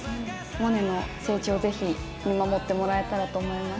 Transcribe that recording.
モネの成長をぜひ見守ってもらえたらと思います。